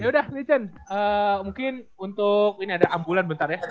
yaudah lichen mungkin untuk ini ada ambulan bentar ya